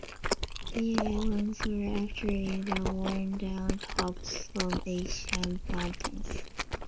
The islands are actually the worn-down tops of ancient mountains.